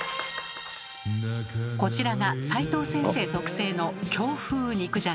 こちらが斉藤先生特製の京風肉じゃが。